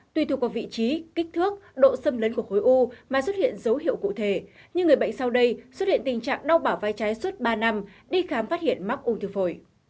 tuy thuộc vào vị trí kích thước độ xâm lấn của khối u mà xuất hiện dấu hiệu cụ thể nhưng người bệnh sau đây xuất hiện tình trạng đau bảo vai trái suốt ba năm đi khám phát hiện mắc ung thư phổi